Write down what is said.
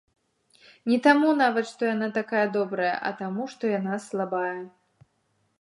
Не таму нават, што яна такая добрая, а таму, што яна слабая.